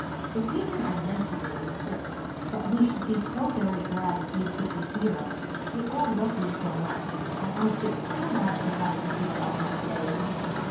"The reason I mention it is this, that we should be so very glad if you could be here. We all love you so much, and I should so like to have you here on that day."